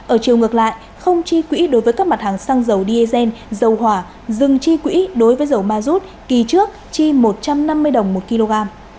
ở chiều ngược lại không chi quỹ đối với các mặt hàng xăng dầu diesel dầu hỏa dừng chi quỹ đối với dầu ma rút kỳ trước chi một trăm năm mươi đồng một kg